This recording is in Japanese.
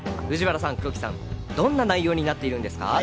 藤原さん、黒木さん、どんな内容になっているんですか？